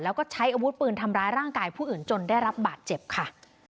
แล้วก็ใช้อาวุธปืนทำร้ายร่างกายผู้อื่นจนได้รับบาดเจ็บค่ะ